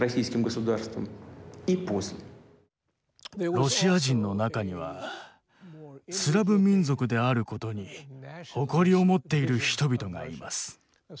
ロシア人の中にはスラブ民族であることに誇りを持っている人々がいます。